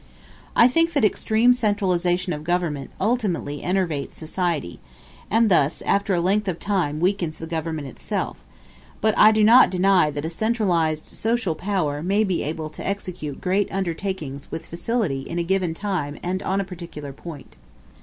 I think that extreme centralization of government ultimately enervates society, and thus after a length of time weakens the government itself; but I do not deny that a centralized social power may be able to execute great undertakings with facility in a given time and on a particular point.